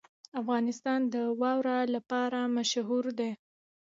افغانستان د واوره لپاره مشهور دی.